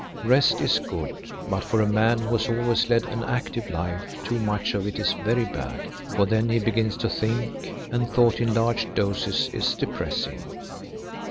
Rest is good, but for a man who has always led an active life too much of it is very bad, for then he begins to think and thought in large doses is depressing.